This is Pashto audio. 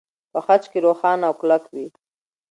په خج کې روښانه او کلک وي.